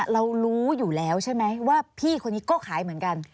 เรารู้อยู่แล้วใช่ไหมว่าพี่คนนี้ก็ขายเหมือนกัน